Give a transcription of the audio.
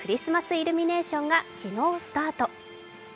イルミネーションが昨日スタート。